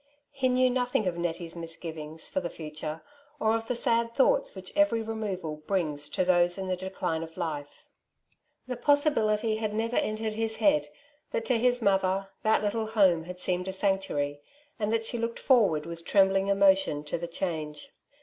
He knew nothing of Nettie's misgivings for the future, pr of the sad thoughts which every removal 82 •' Two Sides to every QtustwuV brings to those in the decline of life. The possibility never entered his head that to his mother that little home had seemed a sanctuaryy and that she looked forward with trembling emotion to the change.